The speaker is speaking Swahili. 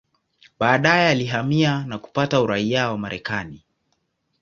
Baadaye alihamia na kupata uraia wa Marekani.